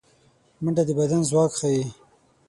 منډه د بدن ځواک ښيي